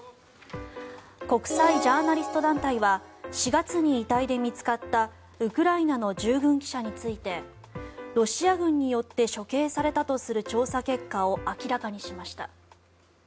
国際ジャーナリスト団体は４月に遺体で見つかったウクライナの従軍記者についてロシア軍によって処刑されたとする調査結果を明らかにしました。